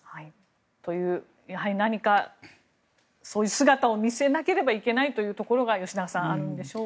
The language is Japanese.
というやはり何かそういう姿を見せなければいけないというところが吉永さん、あるんでしょうか。